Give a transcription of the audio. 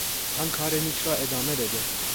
آن کار نیک را ادامه بده!